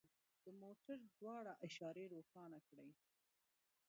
د موټر دواړه اشارې روښانه کړئ